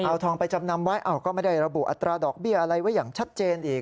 เอาทองไปจำนำไว้ก็ไม่ได้ระบุอัตราดอกเบี้ยอะไรไว้อย่างชัดเจนอีก